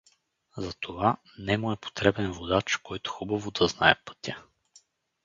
За това нему с потребен водач, който хубаво да знае пътя.